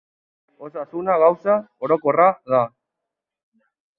Osasuna gauza orokorra da.